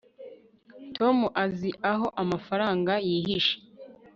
tom azi aho amafaranga yihishe